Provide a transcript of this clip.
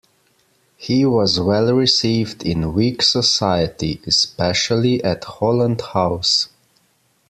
He was well received in Whig society, especially at Holland House.